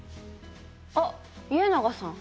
あっ家長さん。